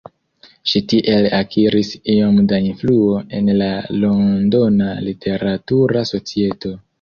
Ŝi tiel akiris iom da influo en la londona literatura societo.